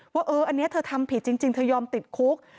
ว่าเอออันนี้เธอทำผิดจริงเธอยอมติดคุก